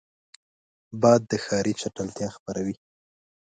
باد د ښاري چټلتیا خپروي